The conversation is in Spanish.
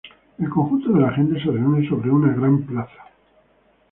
El conjunto de la gente se reúne sobre una gran plaza.